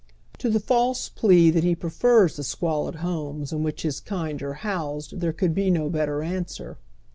To tlie false plea that he prefers the squalid homes in which his kind are housed there could bo no better answer.